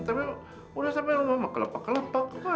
tapi udah sampai rumah kelapa kelapa kok ya